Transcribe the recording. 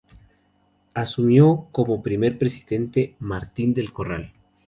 Asumió como primer presidente Martín del Corral.